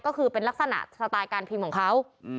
ก็คือเป็นลักษณะสไตล์การพิมพ์ของเขา